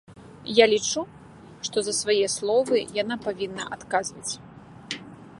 Я лічу, што за свае словы яна павінна адказваць.